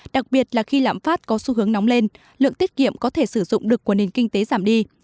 đặc biệt là khi lạm phát có xu hướng nóng lên lượng tiết kiệm có thể sử dụng được của nền kinh tế giảm đi